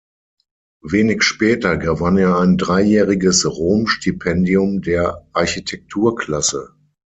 Wenig später gewann er ein dreijähriges Romstipendium der Architekturklasse.